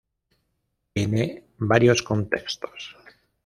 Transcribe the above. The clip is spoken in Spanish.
Tiene varios contextos.